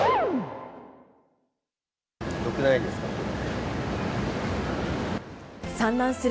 ひどくないですか、これ。